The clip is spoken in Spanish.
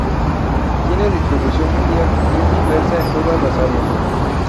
Tiene distribución mundial y es diversa en todas las áreas.